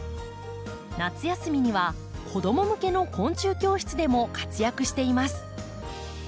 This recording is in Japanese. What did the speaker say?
夏休みには子ども向けの昆虫教室でも活躍しています。